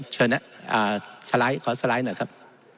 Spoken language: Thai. เชิญสไลด์ขอสไลด์หน่อยครับ